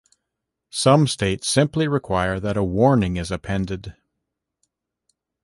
Some states simply require that a warning is appended.